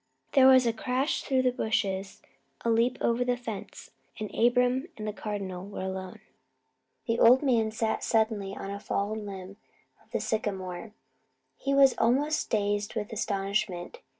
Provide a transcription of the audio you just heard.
There was a crash through the bushes, a leap over the fence, and Abram and the Cardinal were alone. The old man sat down suddenly on a fallen limb of the sycamore. He was almost dazed with astonishment.